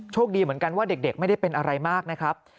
ดีเหมือนกันว่าเด็กไม่ได้เป็นอะไรมากนะครับ